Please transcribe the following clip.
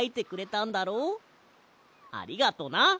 ありがとな。